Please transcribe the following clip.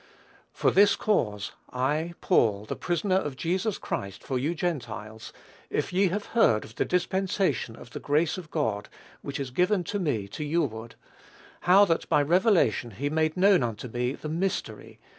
"For this cause I, Paul, the prisoner of Jesus Christ for you Gentiles, if ye have heard of the dispensation of the grace of God, which is given me to you ward: how that by revelation he made known unto me the mystery